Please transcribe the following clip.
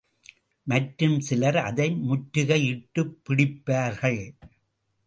மற்றும் சிலர் அதை முற்றுகையிட்டுப்பிடிப்பார்கள்.